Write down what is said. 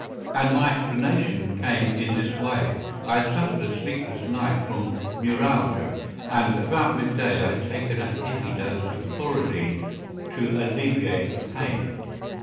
And my explanation came in this way. I had suffered a sleepless night from neuralgia, and about midday I had taken a heavy dose of chlorodyne to alleviate the pain.